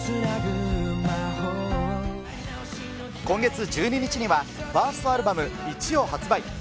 今月１２日には、ファーストアルバム、壱を発売。